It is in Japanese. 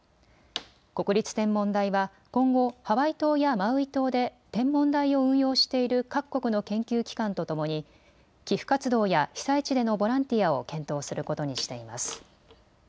国立天文台は今後、ハワイ島やマウイ島で天文台を運用している各国の研究機関とともに寄付活動や被災地でのボランティアを検討することにしています。